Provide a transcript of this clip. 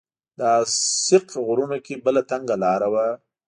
د السیق غرونو کې بله تنګه لاره وه.